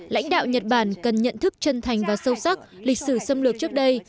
lãnh đạo nhật bản cần nhận thức chân thành và sâu sắc lịch sử xâm lược trước đây